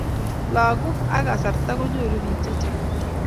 langok ak kasarta chenyoru bik chechang